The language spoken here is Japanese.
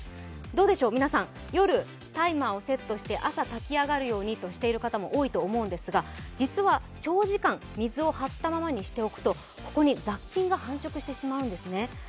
どうでしょう、皆さん、夜、タイマーをセットして朝、炊き上がるようにとしている方も多いと思うんですが実は長時間水を張ったままにしておくとここに雑菌が繁殖してしまうんですね。